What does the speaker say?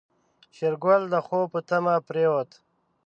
شېرګل د خوب په تمه پرېوت.